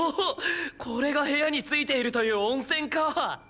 これが部屋についているという温泉か！